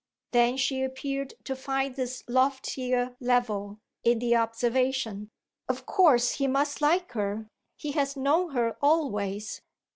Then she appeared to find this loftier level in the observation: "Of course he must like her he has known her always."